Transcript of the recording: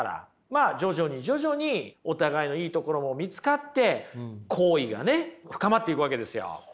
まあ徐々に徐々にお互いのいいところも見つかって好意がね深まっていくわけですよ。